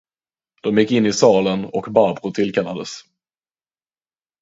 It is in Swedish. De gick in i salen, och Barbro tillkallades.